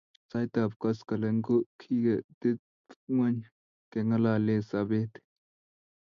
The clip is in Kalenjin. Sait ap koskoling ko kogitepng'ony keng'alale sobet